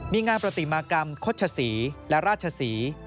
มีงานปฏิมากรรมคดชศรีและราชศรี